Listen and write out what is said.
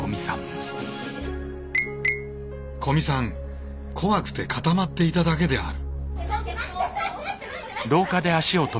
古見さん怖くて固まっていただけである。